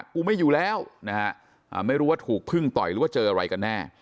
กูไม่อยู่แล้วนะฮะไม่รู้ว่าถูกพึ่งต่อยหรือว่าเจออะไรกันแน่